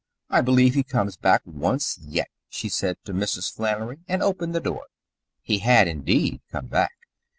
"I believe he comes back once yet," she said to Mrs. Flannery, and opened the door. He had, indeed, come back.